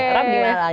rob di malang